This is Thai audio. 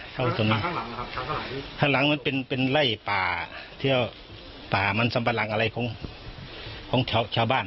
ทางหลังมันเป็นไล่ป่าเที่ยวป่ามันสำบัดหลังอะไรของชาวบ้าน